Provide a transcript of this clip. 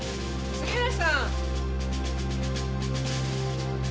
杉浦さん。